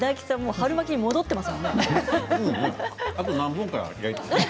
春巻きに戻っていますね。